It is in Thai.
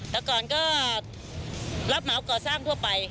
แต่ก่อนก็รับเหมาก่อสร้างทั่วไป